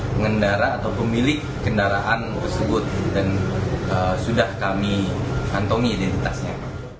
pengendara atau pemilik kendaraan tersebut dan sudah kami kantongi identitasnya